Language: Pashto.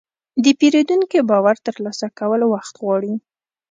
د پیرودونکي باور ترلاسه کول وخت غواړي.